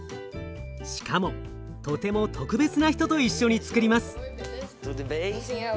しかもとても特別な人と一緒につくります。